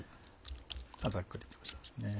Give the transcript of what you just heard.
ざっくりつぶしましょうね。